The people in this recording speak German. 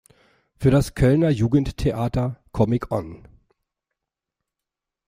Für das Kölner Jugendtheater Comic On!